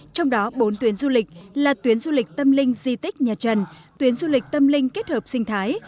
trong đó bốn tuyến du lịch là tuyến du lịch tâm linh di tích nhà trần tuyến du lịch tâm linh kết hợp sinh thái